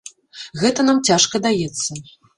Гэта нам цяжка даецца.